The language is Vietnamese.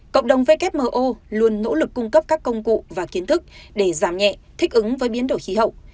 cộng đồng wmo luôn nỗ lực cung cấp các công cụ và kiến thức để giảm nhẹ thích ứng với biến đổi khí hậu